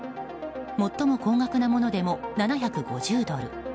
最も高額なものでも７５０ドル。